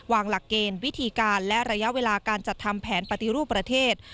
หลักเกณฑ์วิธีการและระยะเวลาการจัดทำแผนปฏิรูปประเทศ